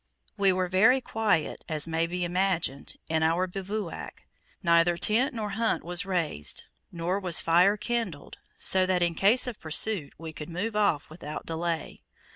We were very quiet, as may be imagined, in our bivouac; neither tent nor hut was raised, nor was fire kindled, so that, in case of pursuit, we could move off without delay.